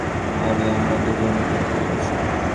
আরে, আমরা দুজনই প্রাপ্তবয়স্ক।